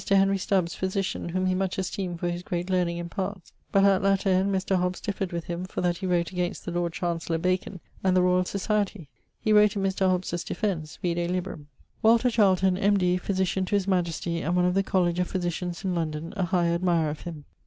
Henry Stubbes_, physitian, whom he much esteemed for his great learning and parts, but at latter end Mr. Hobbs differ'd with him for that he wrote against the lord chancellor Bacon, and the Royall Societie. He wrote in Mr. Hobbes' defence vide librum. Walter Charleton, M.D., physitian to his majestie, and one of the Colledge of Physitians in London, a high admirer of him.